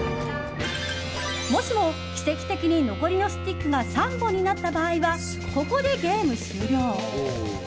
もしも奇跡的に残りのスティックが３本になった場合はここでゲーム終了。